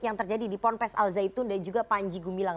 yang terjadi di ponpes al zaitun dan juga panji gumilang